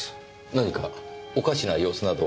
何かおかしな様子などは？